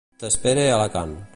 T'espere a Alacant.